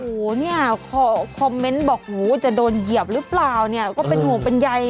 โอ้โหเนี่ยคอมเมนต์บอกหูจะโดนเหยียบหรือเปล่าเนี่ยก็เป็นห่วงเป็นใย